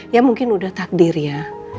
ya mungkin udah takdir ya